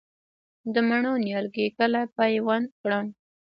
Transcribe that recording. د مڼو نیالګي کله پیوند کړم؟